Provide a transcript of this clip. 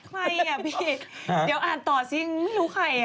ใครอ่ะพี่เดี๋ยวอ่านต่อสิไม่รู้ใคร